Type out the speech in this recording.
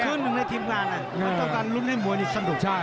ขึ้นหนึ่งในทีมงานน่ะมันต้องการลุ้มให้มวยนี่สนุก